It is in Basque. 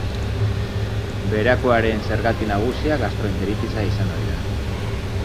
Beherakoaren zergati nagusia gastroenteritisa izan ohi da.